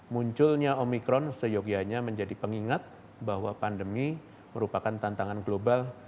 munculnya omikron seyogianya menjadi pengingat bahwa pandemi merupakan tantangan global